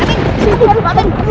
ibu bunda aku amin